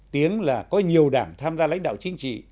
tiếng là có nhiều đảng tham gia lãnh đạo chính trị